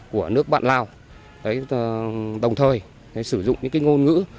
của nước bạn lào đồng thời sử dụng những ngôn ngữ